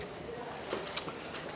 saya minta pak reskrim pak berspuri